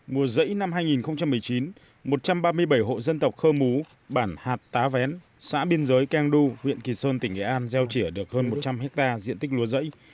mùa rẫy năm hai nghìn một mươi chín một trăm ba mươi bảy hộ dân tộc khơ mú bản hạt tá vén xã biên giới keng du huyện kỳ sơn tỉnh nghệ an gieo trỉa được hơn một trăm linh hectare diện tích lúa giẫy